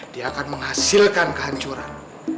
dia akan menghasilkan kehancuran